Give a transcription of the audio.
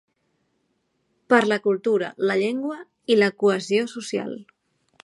Per la cultura, la llengua i la cohesió social.